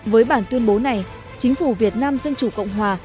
với bản tuyên bố này chính phủ việt nam dân chủ cộng hòa